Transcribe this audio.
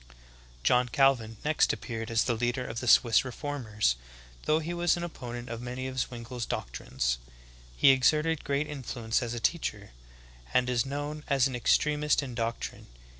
10. John Calvin next appeared as the leader of the Swiss reformers, though he was an opponent of many of Zwingle's doctrines. He exerted great influence as a teacher, and is known as an extremist in doctrine.